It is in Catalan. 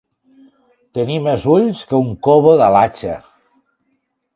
Tenir més ulls que un covo d'alatxa.